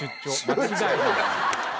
間違いない。